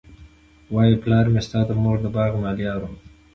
وايي پلار مي ستا د مور د باغ ملیار وو